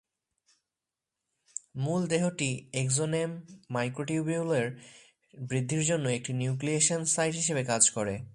মূল দেহটি এক্সোনেম মাইক্রোটিউবুলের বৃদ্ধির জন্য একটি নিউক্লিয়েশন সাইট হিসেবে কাজ করে।